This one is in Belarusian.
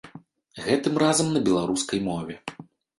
Гэтым разам на беларускай мове.